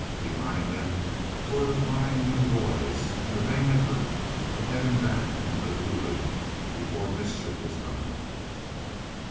Behind him tore the Flying U boys in a vain effort to head him back into the coulee before mischief was done.